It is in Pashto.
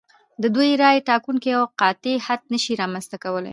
د دوی رایې ټاکونکی او قاطع حد نشي رامنځته کولای.